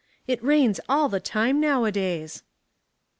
^^" It rains all the time nowdays."